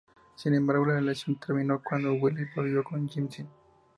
Sin embargo la relación terminó cuando Will volvió con Gypsy.